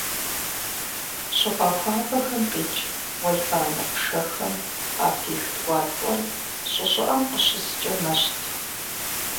ЩӀыпӀэ хуабэхэм къикӀ уэлбанэ пшэхэм къапих ткӀуаткӀуэр щӀы щӀыӀэм къыщыскӀэ мэщт.